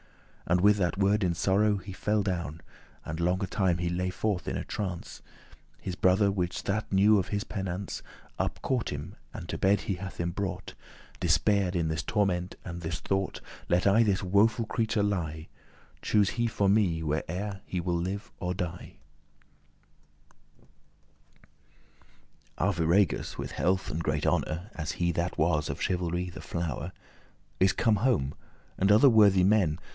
And with that word in sorrow he fell down, And longe time he lay forth in a trance. His brother, which that knew of his penance,* *distress Up caught him, and to bed he hath him brought, Despaired in this torment and this thought Let I this woeful creature lie; Choose he for me whe'er* he will live or die. *whether Arviragus with health and great honour (As he that was of chivalry the flow'r) Is come home, and other worthy men.